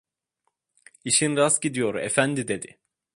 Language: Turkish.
"İşin rast gidiyor efendi!" dedi.